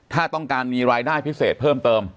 ถ้าต้องการมีรายได้พิเศษเพิ่มเติม